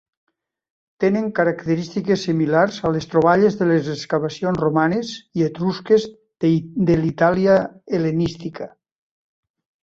Tenen característiques similars a les troballes de les excavacions romanes i etrusques de l'Itàlia hel·lenística.